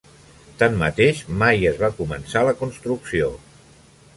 Tanmateix, mai es va començar la construcció.